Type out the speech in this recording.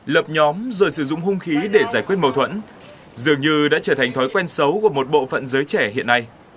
lập nhóm rồi sử dụng hung khí để giải quyết mâu thuẫn dường như đã trở thành thói quen xấu của một bộ phận giới trẻ hiện nay